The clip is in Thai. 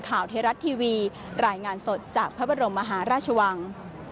ข่าวเทรัตน์ทีวีรายงานสดจากพระบรมมหาราชวัง